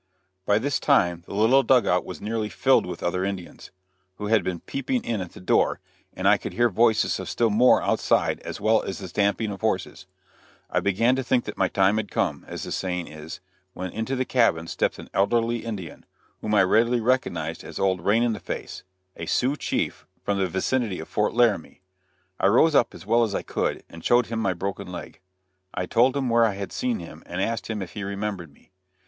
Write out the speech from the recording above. By this time the little dug out was nearly filled with other Indians, who had been peeping in at the door, and I could hear voices of still more outside as well as the stamping of horses. I began to think that my time had come, as the saying is, when into the cabin stepped an elderly Indian, whom I readily recognized as old Rain in the Face, a Sioux chief from the vicinity of Fort Laramie. I rose up as well as I could and showed him my broken leg. I told him where I had seen him, and asked him if he remembered me.